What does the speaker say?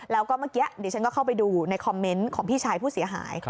แล้วก็เมื่อกี้ดิฉันก็เข้าไปดูในคอมเมนต์ของพี่ชายผู้เสียหาย